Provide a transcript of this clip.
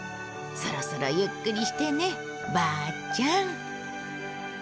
そろそろゆっくりしてねばあちゃん。